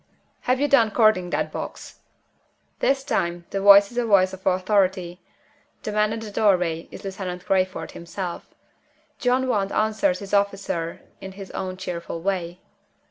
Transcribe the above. "Have you done cording that box?" This time the voice is a voice of authority the man at the doorway is Lieutenant Crayford himself. John Want answers his officer in his own cheerful way.